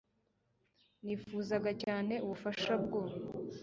nifuzaga cyane ubufasha bwo